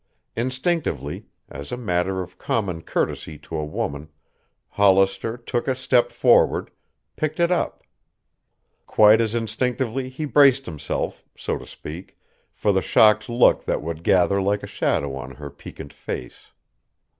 Instinctively, as a matter of common courtesy to a woman, Hollister took a step forward, picked it up. Quite as instinctively he braced himself, so to speak, for the shocked look that would gather like a shadow on her piquant face.